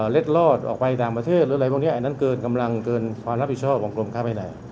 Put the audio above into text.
รอดออกไปต่างประเทศหรืออะไรพวกนี้อันนั้นเกินกำลังเกินความรับผิดชอบของกรมค้าภายใน